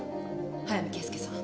早水圭介さん